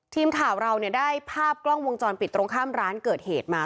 ทีมข่าวเราเนี่ยได้ภาพกล้องวงจรปิดตรงข้ามร้านเกิดเหตุมา